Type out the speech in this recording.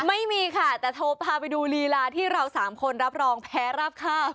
ไม่มีค่ะแต่โทรพาไปดูลีลาที่เราสามคนรับรองแพ้ราบข้าว